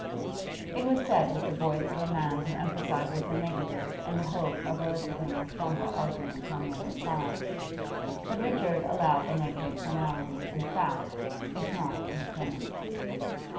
It was said with the voice of a man who emphasises a negative in the hope of eliciting a stronger argument on the other side. But Richard allowed the negative finality in fact, if not in appearance.